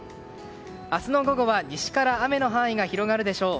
明日の午後は西から雨の範囲が広がるでしょう。